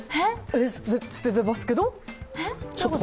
捨ててますけど？